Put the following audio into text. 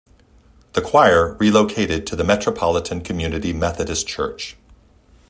The Choir relocated to the Metropolitan Community Methodist Church.